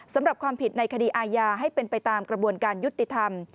สำหรับความผิดในคดีอาญาให้เป็นไปตามกระบวนการยุติธรรม